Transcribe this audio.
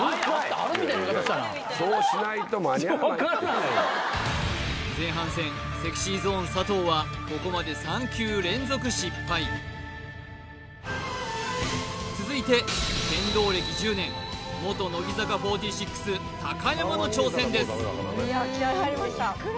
あるみたいな言い方したなそうしないと間に合わないって前半戦ＳｅｘｙＺｏｎｅ佐藤はここまで３球連続失敗続いて剣道歴１０年元乃木坂４６高山の挑戦です